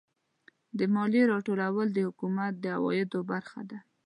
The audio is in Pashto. د مالیې راټولول د حکومت د عوایدو برخه ده.